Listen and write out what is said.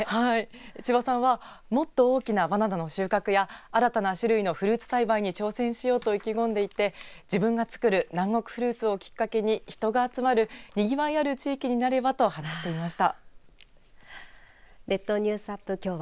千葉さんはもっと大きなバナナの収穫や新たな種類のフルーツ栽培に挑戦しようと意気込んでいて自分が作る南国フルーツをきっかけに人が集まる、にぎわいある地域になればと話していました。